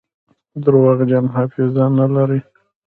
درواغجن حافظه نلري.